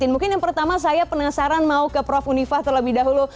mungkin yang pertama saya penasaran mau ke prof unifah terlebih dahulu